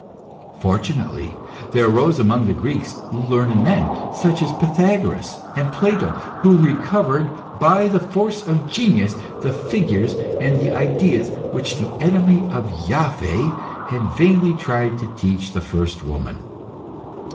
Fortunately, there arose among the Greeks learned men, such as Pythagoras, and Plato, who recovered by the force of genius, the figures and the ideas which the enemy of Iaveh had vainly tried to teach the first woman.